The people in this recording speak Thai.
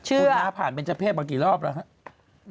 เชื่อคุณน้าผ่านเบนเจอร์เพศบางกี่รอบแล้วครับ